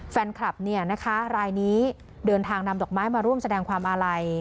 แฟนคลับเนี่ยนะคะรายนี้เดินทางนำดอกไม้มาร่วมแสดงความอาลัย